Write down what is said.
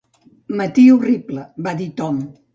"Matí horrible", va dir Tom.